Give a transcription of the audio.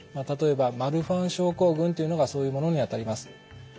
例えばマルファン症候群というのがそういうものにあたります。